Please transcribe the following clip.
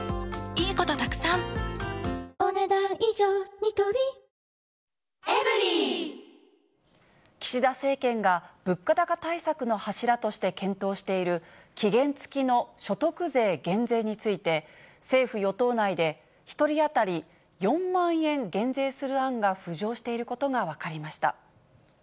ニトリ岸田政権が、物価高対策の柱として検討している期限付きの所得税減税について、政府・与党内で１人当たり４万円減税する案が浮上していることが分かりました。